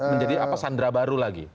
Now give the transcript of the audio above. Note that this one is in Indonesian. menjadi sandra baru lagi